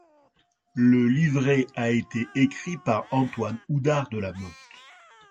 Le livret a été écrit par Antoine Houdar de La Motte.